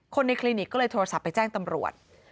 คนในคลินิกก็เลยโทรศัพท์ไปแจ้งตำรวจ